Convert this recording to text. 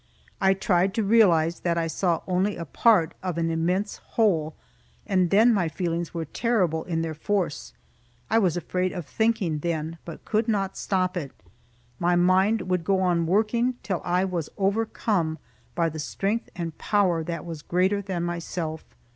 I tried to realize that I saw only a part of an immense whole, and then my feelings were terrible in their force. I was afraid of thinking then, but could not stop it. My mind would go on working, till I was overcome by the strength and power that was greater than myself.